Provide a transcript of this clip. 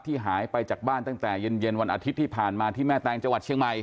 หายไปจากบ้านตั้งแต่เย็นวันอาทิตย์ที่ผ่านมาที่แม่แตงจังหวัดเชียงใหม่